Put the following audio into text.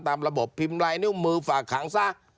ตามระบบพิมพ์ลายนิ้วมือฝากขังซะ